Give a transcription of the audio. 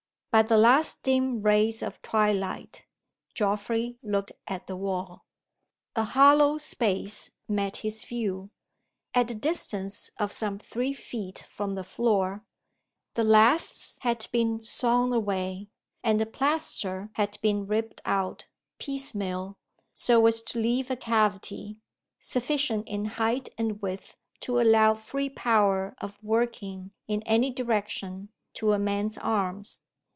By the last dim rays of twilight, Geoffrey looked at the wall. A hollow space met his view. At a distance of some three feet from the floor, the laths had been sawn away, and the plaster had been ripped out, piecemeal, so as to leave a cavity, sufficient in height and width to allow free power of working in any direction, to a man's arms.